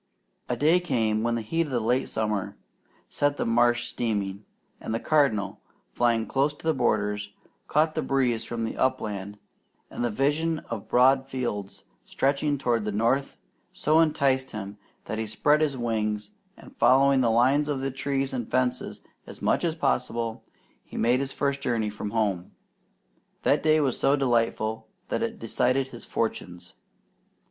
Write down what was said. A day came when the heat of the late summer set the marsh steaming, and the Cardinal, flying close to the borders, caught the breeze from the upland; and the vision of broad fields stretching toward the north so enticed him that he spread his wings, and following the line of trees and fences as much as possible, he made his first journey from home. That day was so delightful it decided his fortunes.